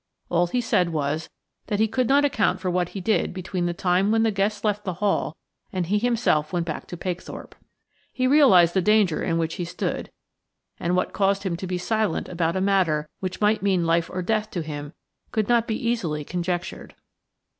All he said was that he could not account for what he did between the time when the guests left the Hall and he himself went back to Pakethorpe. He realized the danger in which he stood, and what caused him to be silent about a matter which might mean life or death to him could not easily be conjectured.